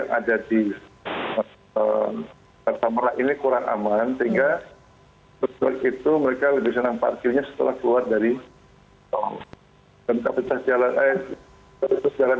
mau tembakan kayak roadmap ini kalau ini tidak serimp crash turun depan kalau tidak